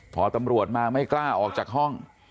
พอตำรวจมาไม่กล้าออกจากห้อง